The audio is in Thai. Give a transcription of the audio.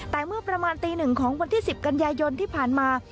แต่เมื่อประมาณตีหนึ่งของวันที่๑๐กันยายนที่ผ่านมา